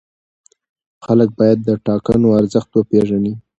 خلک باید د ټاکنو ارزښت وپېژني